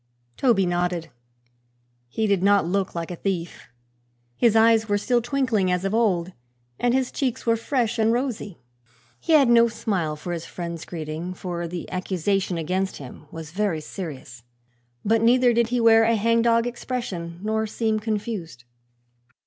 Toby nodded. He did not look like a thief. His eyes were still twinkling as of old and his cheeks were fresh and rosy. He had no smile for his friend's greeting, for the accusation against him was very serious, but neither did he wear a hang dog expression nor seem confused.